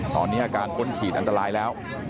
ตอนนี้อาการพ้นขีดอันตรายแล้ว